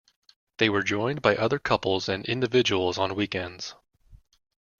They were joined by other couples and individuals on weekends.